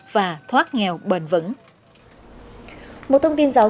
và thoát nghèo bền vững